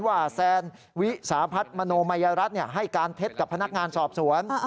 แซนวิสาพัฒน์มโนมัยรัฐให้การเท็จกับพนักงานสอบสวน